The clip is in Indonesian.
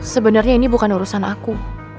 sebenarnya ini bukan urusan aku